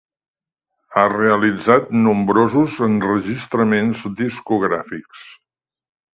Ha realitzat nombrosos enregistraments discogràfics.